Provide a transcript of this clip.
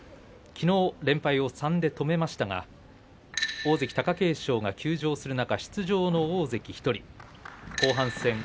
きのう連敗を３で止めましたが大関貴景勝が休場する中出場の大関１人後半戦